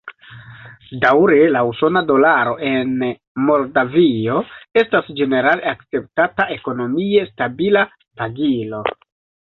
Daŭre la usona dolaro en Moldavio estas ĝenerale akceptata, ekonomie stabila pagilo.